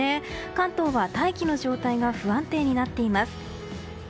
関東は大気の状態が不安定になっています。